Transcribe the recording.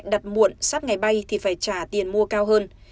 đặt muộn sát ngày bay thì phải trả tiền mua cao hơn